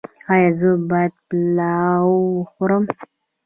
ایا زه باید پلاو وخورم؟